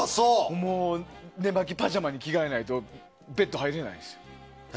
寝間着、パジャマに着替えないとベッドに入れないです。